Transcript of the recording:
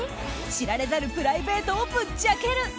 知られざるプライベートをぶっちゃける！